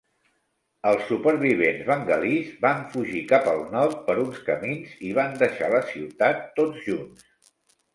Els supervivents bengalís van fugir cap al nord per uns camins i van deixar la ciutat tots junts.